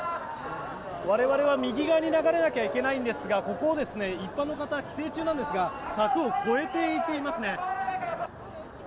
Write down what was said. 我々は右側に流れなきゃいけないんですがここを、一般の方規制中なんですが柵を越えていっていますね。